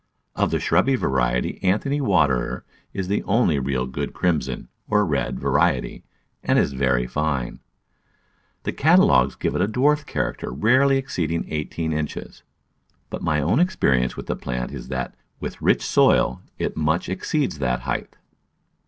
Of the shrubby variety Anthony Waterer is the only really good crimson, or red, va riety, and is very fine. The catalogues give it a dwarf character rarely exceeding eighteen inches, but my own experience with the plant is, that with rich soil it much exceeds that height.